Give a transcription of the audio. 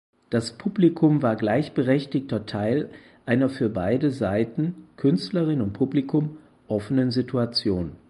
Das Publikum war gleichberechtigter Teil einer für beide Seiten (Künstlerin und Publikum) offenen Situation.